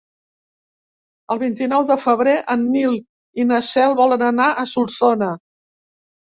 El vint-i-nou de febrer en Nil i na Cel volen anar a Solsona.